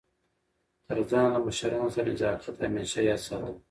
تر ځان له مشرانو سره نزاکت همېشه یاد ساته!